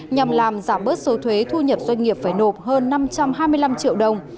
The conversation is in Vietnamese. nhằm làm giảm bớt số thuế thu nhập doanh nghiệp phải nộp hơn năm trăm hai mươi năm triệu đồng